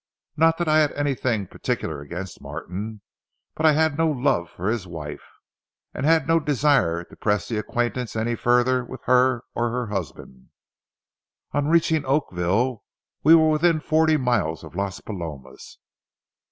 Not that I had anything particular against Martin, but I had no love for his wife, and had no desire to press the acquaintance any further with her or her husband. On reaching Oakville, we were within forty miles of Las Palomas.